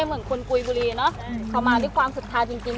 เหมือนคนกุยบุรีนะเขามาด้วยความศักดิ์ภาคจริง